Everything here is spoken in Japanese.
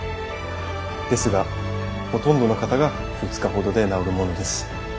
ですがほとんどの方が２日ほどで治るものです。